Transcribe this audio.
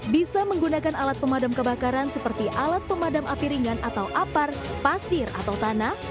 bisa menggunakan alat pemadam kebakaran seperti alat pemadam api ringan atau apar pasir atau tanah